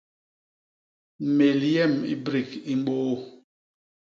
Mél yem i brik i mbôô.